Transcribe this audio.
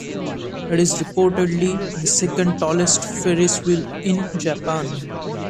It is reportedly the second tallest ferris wheel in Japan.